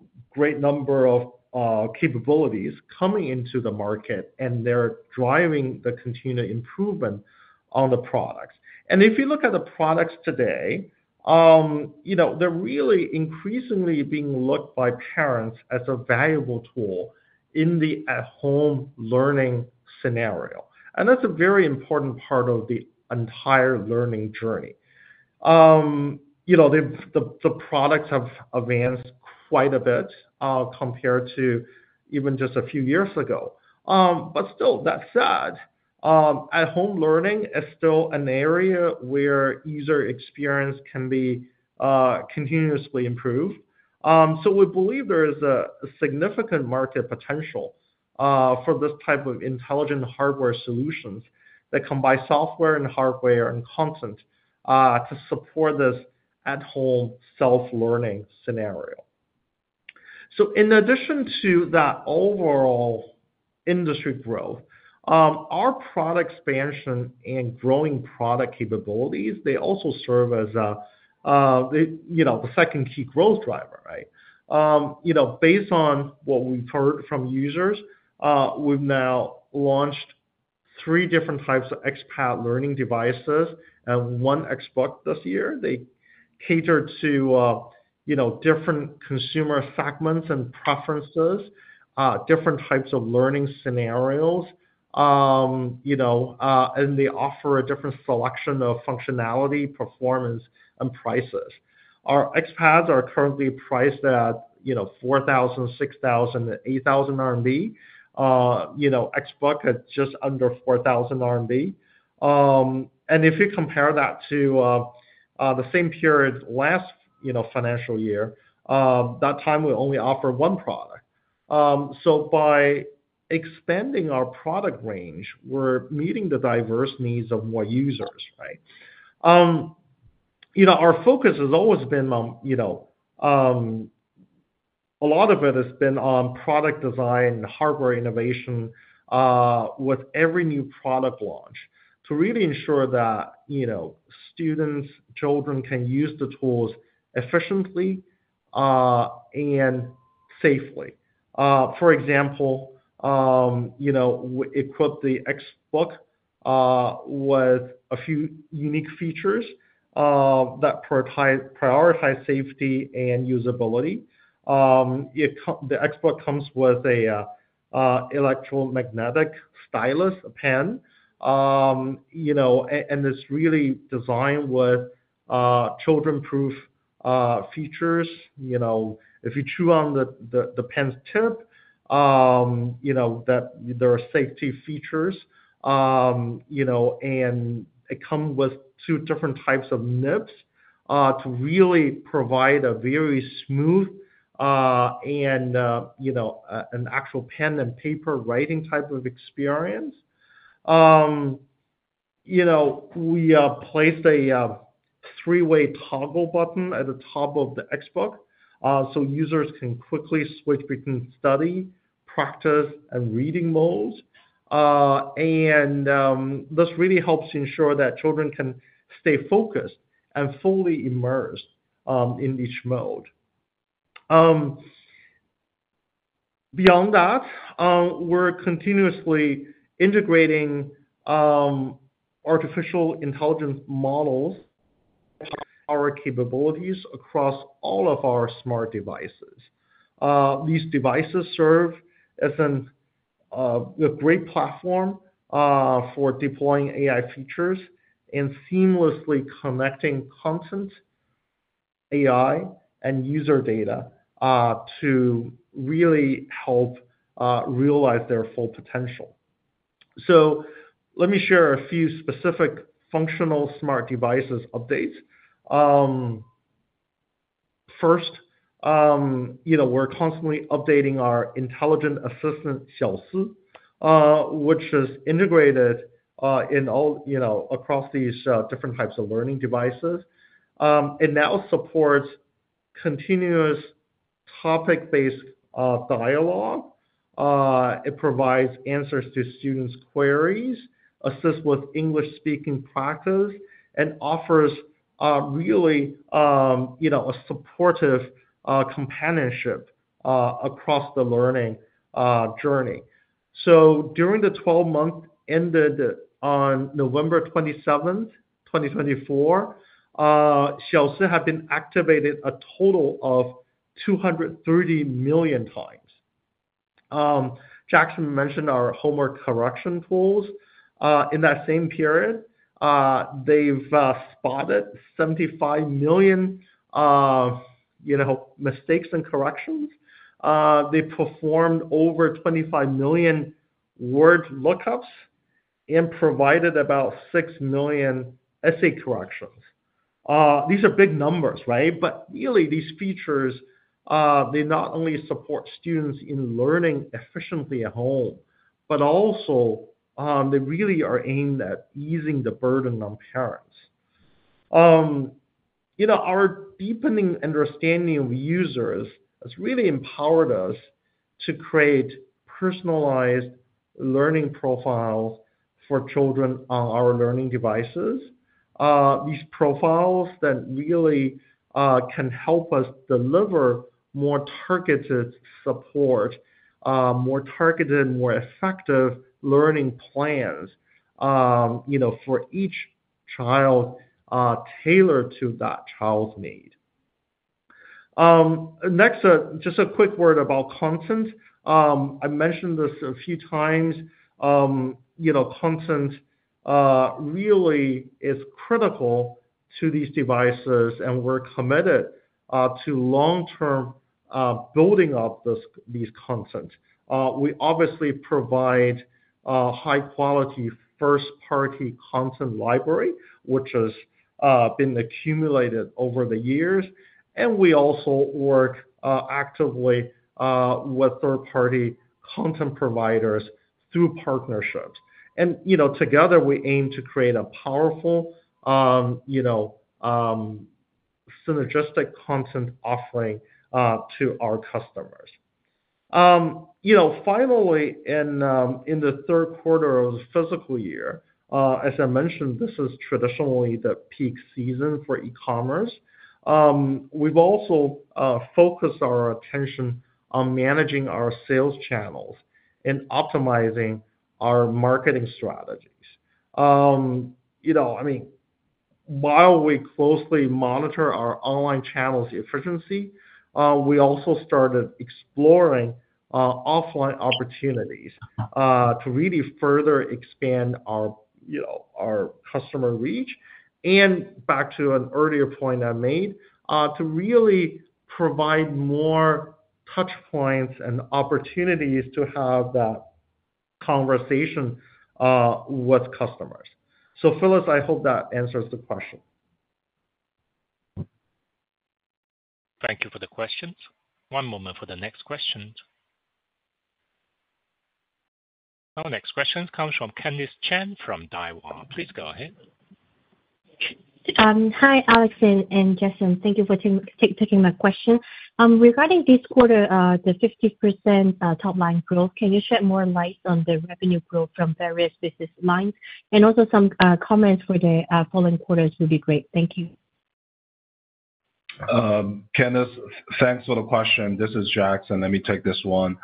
a great number of capabilities coming into the market, and they're driving the continued improvement on the products. And if you look at the products today, you know, they're really increasingly being looked at by parents as a valuable tool in the at-home learning scenario. And that's a very important part of the entire learning journey. You know, the products have advanced quite a bit compared to even just a few years ago. But still, that said, at-home learning is still an area where user experience can be continuously improved. So we believe there is a significant market potential for this type of intelligent hardware solutions that combine software and hardware and content to support this at-home self-learning scenario. So in addition to that overall industry growth, our product expansion and growing product capabilities, they also serve as a, you know, the second key growth driver, right? You know, based on what we've heard from users, we've now launched three different types of xPad learning devices and one XBook this year. They cater to, you know, different consumer segments and preferences, different types of learning scenarios, you know, and they offer a different selection of functionality, performance, and prices. Our xPads are currently priced at, you know, 4,000, 6,000, and 8,000 RMB. You know, XBook is just under 4,000 RMB. And if you compare that to the same period last, you know, financial year, that time we only offered one product. So by expanding our product range, we're meeting the diverse needs of more users, right? You know, our focus has always been on, you know, a lot of it has been on product design and hardware innovation with every new product launch to really ensure that, you know, students, children can use the tools efficiently and safely. For example, you know, we equip the xBook with a few unique features that prioritize safety and usability. The xBook comes with an electromagnetic stylus, a pen, you know, and it's really designed with child-proof features. You know, if you chew on the pen's tip, you know, there are safety features, you know, and it comes with two different types of nibs to really provide a very smooth and, you know, an actual pen-and-paper writing type of experience. You know, we placed a three-way toggle button at the top of the xBook so users can quickly switch between study, practice, and reading modes. This really helps ensure that children can stay focused and fully immersed in each mode. Beyond that, we're continuously integrating artificial intelligence models to our capabilities across all of our smart devices. These devices serve as a great platform for deploying AI features and seamlessly connecting content, AI, and user data to really help realize their full potential. Let me share a few specific functional smart devices updates. First, you know, we're constantly updating our intelligent assistant, Xiao Si, which is integrated in all, you know, across these different types of learning devices. It now supports continuous topic-based dialogue. It provides answers to students' queries, assists with English-speaking practice, and offers really, you know, a supportive companionship across the learning journey. During the 12-month ended on November 27, 2024, Xiao Si had been activated a total of 230 million times. Jackson mentioned our homework correction tools. In that same period, they've spotted 75 million, you know, mistakes and corrections. They performed over 25 million word lookups and provided about 6 million essay corrections. These are big numbers, right? But really, these features, they not only support students in learning efficiently at home, but also they really are aimed at easing the burden on parents. You know, our deepening understanding of users has really empowered us to create personalized learning profiles for children on our learning devices. These profiles that really can help us deliver more targeted support, more targeted, more effective learning plans, you know, for each child tailored to that child's need. Next, just a quick word about content. I mentioned this a few times. You know, content really is critical to these devices, and we're committed to long-term building up these contents. We obviously provide high-quality first-party content library, which has been accumulated over the years, and we also work actively with third-party content providers through partnerships, and, you know, together, we aim to create a powerful, you know, synergistic content offering to our customers. You know, finally, in the third quarter of the fiscal year, as I mentioned, this is traditionally the peak season for e-commerce. We've also focused our attention on managing our sales channels and optimizing our marketing strategies. You know, I mean, while we closely monitor our online channels' efficiency, we also started exploring offline opportunities to really further expand our, you know, our customer reach, and back to an earlier point I made, to really provide more touchpoints and opportunities to have that conversation with customers, so, Fellas, I hope that answers the question. Thank you for the questions. One moment for the next questions. Our next question comes from Candis Chan from Daiwa Capital Markets. Please go ahead. Hi, Alex and Jackson. Thank you for taking my question. Regarding this quarter, the 50% top-line growth, can you shed more light on the revenue growth from various business lines? And also some comments for the following quarters would be great. Thank you. Candis, thanks for the question. This is Jackson. Let me take this one.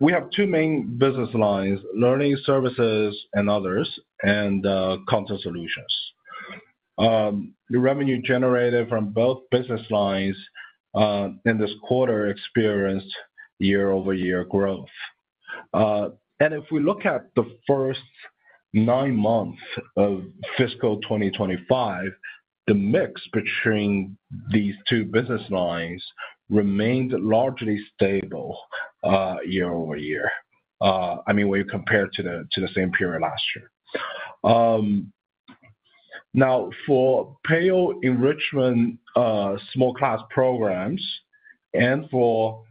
We have two main business lines: learning services and others, and content solutions. The revenue generated from both business lines in this quarter experienced year-over-year growth. And if we look at the first nine months of fiscal 2025, the mix between these two business lines remained largely stable year-over-year, I mean, when you compare it to the same period last year. Now, for Peiyou enrichment small class programs and for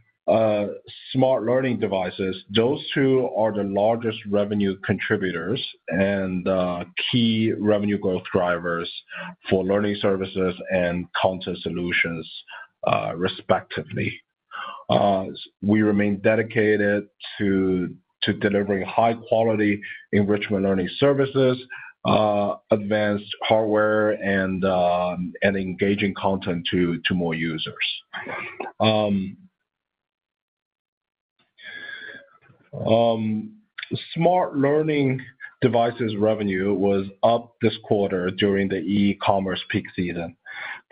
smart learning devices, those two are the largest revenue contributors and key revenue growth drivers for learning services and content solutions, respectively. We remain dedicated to delivering high-quality enrichment learning services, advanced hardware, and engaging content to more users. Smart learning devices revenue was up this quarter during the e-commerce peak season.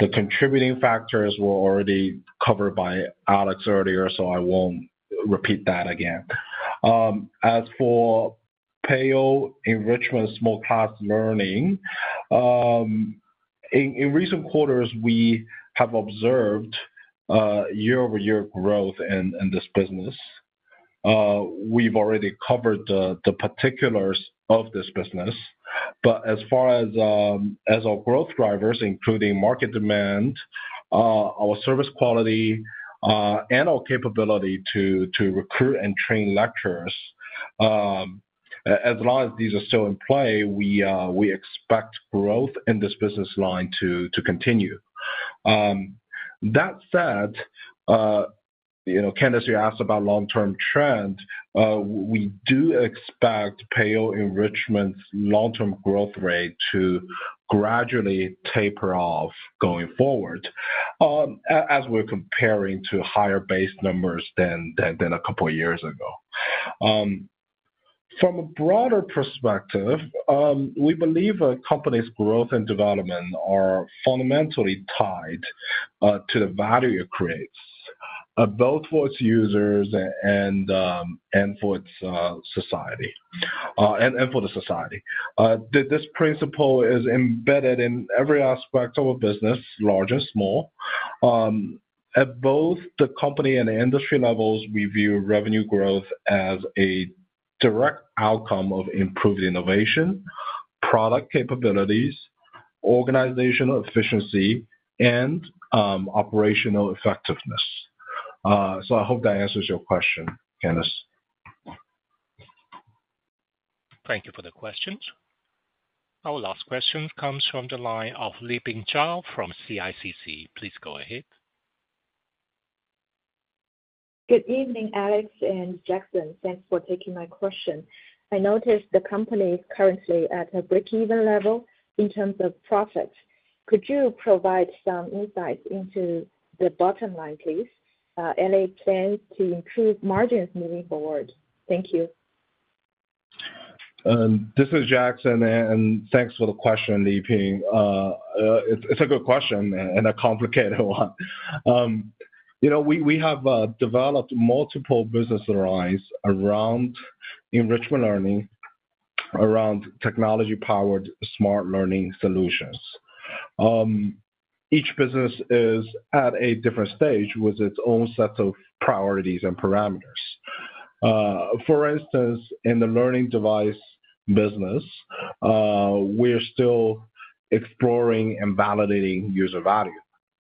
The contributing factors were already covered by Alex earlier, so I won't repeat that again. As for Peiyou enrichment small class learning, in recent quarters, we have observed year-over-year growth in this business. We've already covered the particulars of this business. But as far as our growth drivers, including market demand, our service quality, and our capability to recruit and train lecturers, as long as these are still in play, we expect growth in this business line to continue. That said, you know, Candis, you asked about long-term trend. We do expect Peiyou enrichment's long-term growth rate to gradually taper off going forward as we're comparing to higher base numbers than a couple of years ago. From a broader perspective, we believe a company's growth and development are fundamentally tied to the value it creates, both for its users and for its society. This principle is embedded in every aspect of a business, large and small. At both the company and industry levels, we view revenue growth as a direct outcome of improved innovation, product capabilities, organizational efficiency, and operational effectiveness. So I hope that answers your question, Candis. Thank you for the questions. Our last question comes from the line of Liping Zhao from CICC. Please go ahead. Good evening, Alex and Jackson. Thanks for taking my question. I noticed the company is currently at a break-even level in terms of profits. Could you provide some insights into the bottom line, please, and a plan to improve margins moving forward? Thank you. This is Jackson, and thanks for the question, Liping. It's a good question and a complicated one. You know, we have developed multiple business lines around enrichment learning, around technology-powered smart learning solutions. Each business is at a different stage with its own set of priorities and parameters. For instance, in the learning device business, we are still exploring and validating user value.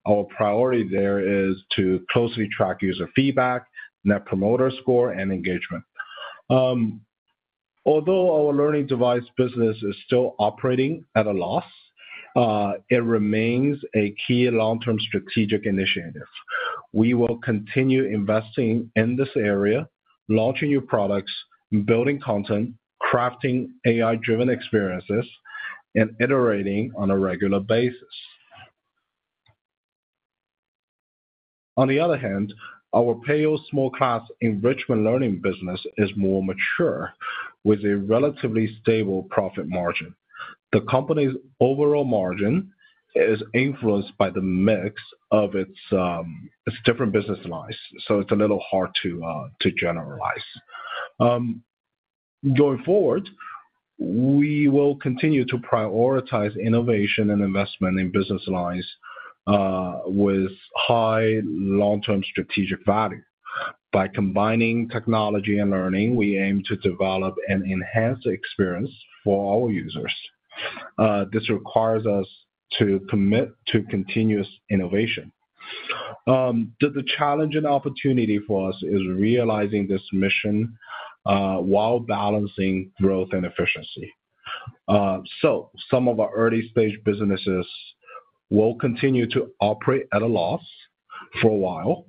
Our priority there is to closely track user feedback, Net Promoter Score, and engagement. Although our learning device business is still operating at a loss, it remains a key long-term strategic initiative. We will continue investing in this area, launching new products, building content, crafting AI-driven experiences, and iterating on a regular basis. On the other hand, our Peiyou small class enrichment learning business is more mature with a relatively stable profit margin. The company's overall margin is influenced by the mix of its different business lines, so it's a little hard to generalize. Going forward, we will continue to prioritize innovation and investment in business lines with high long-term strategic value. By combining technology and learning, we aim to develop and enhance the experience for our users. This requires us to commit to continuous innovation. The challenge and opportunity for us is realizing this mission while balancing growth and efficiency. So some of our early-stage businesses will continue to operate at a loss for a while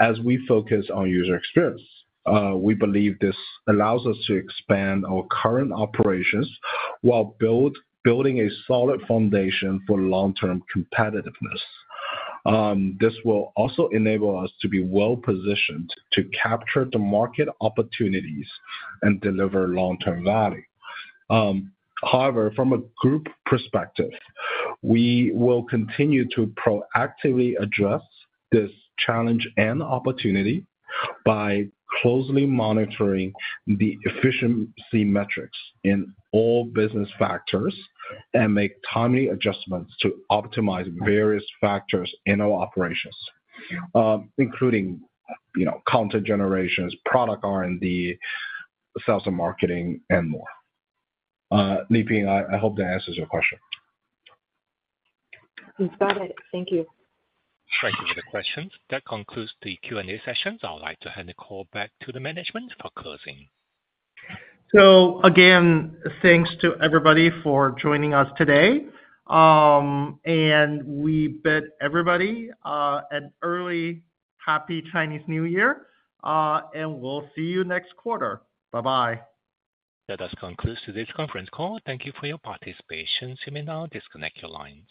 as we focus on user experience. We believe this allows us to expand our current operations while building a solid foundation for long-term competitiveness. This will also enable us to be well-positioned to capture the market opportunities and deliver long-term value. However, from a group perspective, we will continue to proactively address this challenge and opportunity by closely monitoring the efficiency metrics in all business factors and make timely adjustments to optimize various factors in our operations, including, you know, content generations, product R&D, sales and marketing, and more. Liping, I hope that answers your question. You've got it. Thank you. Thank you for the questions. That concludes the Q&A session. I'd like to hand the call back to the management for closing. So again, thanks to everybody for joining us today. And we bid everybody an early, happy Chinese New Year, and we'll see you next quarter. Bye-bye. That does conclude today's conference call. Thank you for your participation. You may now disconnect your lines.